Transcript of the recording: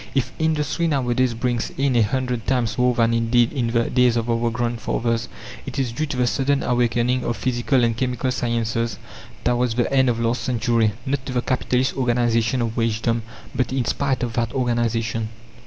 If industry nowadays brings in a hundred times more than it did in the days of our grandfathers, it is due to the sudden awakening of physical and chemical sciences towards the end of last century; not to the capitalist organization of wagedom, but in spite of that organization.